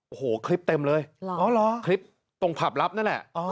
โอ้โหคลิปเต็มเลยคลิปตรงผับลับนั่นแหละ